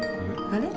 あれ？